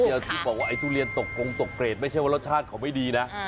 อย่างที่บอกว่าไอ้ทุเรียนตกกงตกเกรดไม่ใช่ว่ารสชาติเขาไม่ดีนะ